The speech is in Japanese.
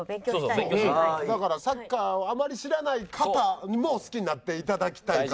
だからサッカーをあまり知らない方にも好きになって頂きたいから。